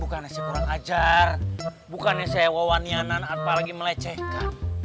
bukannya saya kurang ajar bukannya saya wawanianan apalagi melecehkan